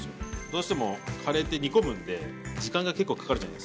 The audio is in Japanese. どうしてもカレーって煮込むんで時間が結構かかるじゃないですか。